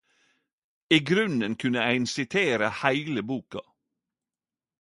I grunnen kunne ein sitere heile boka.